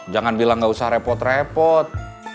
jangan bilang gak usah repot repot